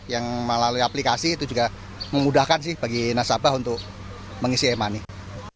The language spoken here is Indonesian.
yang melalui aplikasi itu juga memudahkan sih bagi nasabah untuk mengisi e money